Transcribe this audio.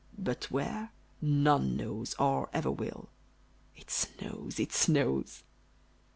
but where, none knows, Or ever will. It snows! it snows!